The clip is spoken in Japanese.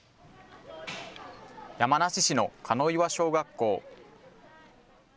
山梨市の加納岩小学校。